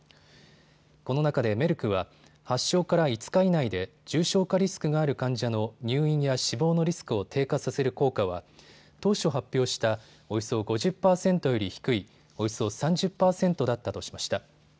この中でメルクは発症から５日以内で重症化リスクがある患者の入院や死亡のリスクを低下させる効果は当初発表したおよそ５０％より低いおよそ３０％だったとしました。